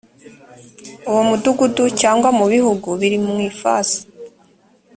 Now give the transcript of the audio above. uwo mudugudu cyangwa mu bihugu biri mu ifasi